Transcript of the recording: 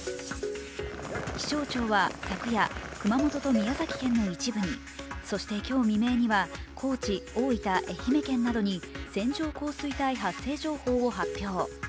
気象庁は昨夜、熊本と宮崎県の一部に、そして今日未明には高知、大分、愛媛県などに線状降水帯発生情報を発表。